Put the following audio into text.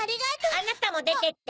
あなたもでてって！